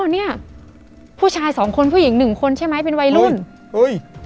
เนี้ยผู้ชายสองคนผู้หญิงหนึ่งคนใช่ไหมเป็นวัยรุ่นเฮ้ย